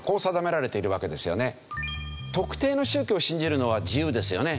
特定の宗教を信じるのは自由ですよね